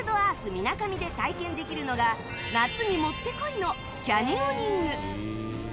みなかみで体験できるのが夏にもってこいのキャニオニング